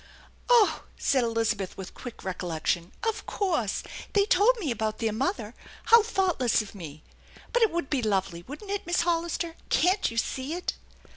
" Oh !" said Elizabeth with quick recollection, e ' of course ! They told me about their mother. How thoughtless of me! But it would be lovely, wouldn't it, Miss HoDister? Can't you see it?"